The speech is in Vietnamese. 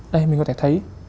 đây mình có thể thấy